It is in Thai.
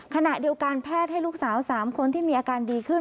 ขณะเดียวกันแพทย์ให้ลูกสาว๓คนที่มีอาการดีขึ้น